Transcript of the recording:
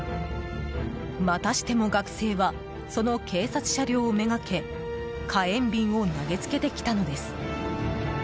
またしても学生はその警察車両をめがけ火炎瓶を投げつけてきたのです。